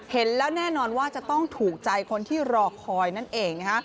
เห็นแล้วแน่นอนว่าจะต้องถูกใจคนที่รอคอยนั่นเองนะฮะ